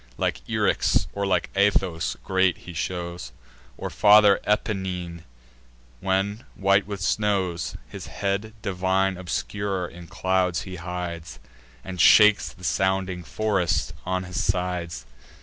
Like Eryx, or like Athos, great he shows, Or Father Apennine, when, white with snows, His head divine obscure in clouds he hides, And shakes the sounding forest on his sides.